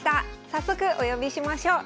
早速お呼びしましょう。